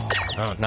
何？